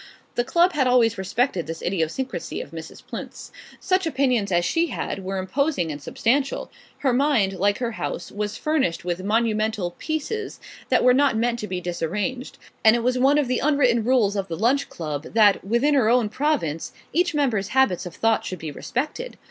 The club had always respected this idiosyncrasy of Mrs. Plinth's. Such opinions as she had were imposing and substantial: her mind, like her house, was furnished with monumental "pieces" that were not meant to be disarranged; and it was one of the unwritten rules of the Lunch Club that, within her own province, each member's habits of thought should be respected.